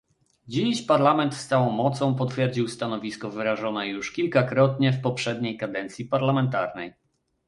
Dziś Parlament z całą mocą potwierdził stanowisko wyrażone już kilkakrotnie w poprzedniej kadencji parlamentarnej